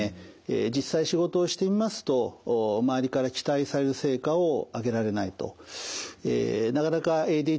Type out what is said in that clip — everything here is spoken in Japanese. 実際仕事をしてみますと周りから期待される成果を上げられないと。